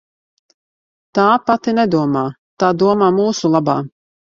Tā pati nedomā, tā domā mūsu labā.